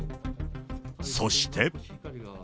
そして。